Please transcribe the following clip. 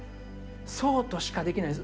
そうとしかできないです。